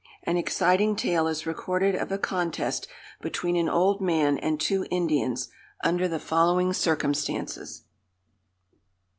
An exciting tale is recorded of a contest between an old man and two Indians, under the following circumstances.